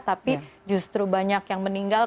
tapi justru banyak yang meninggal